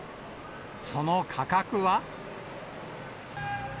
その価格は。